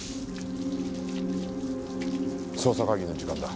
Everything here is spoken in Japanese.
捜査会議の時間だ。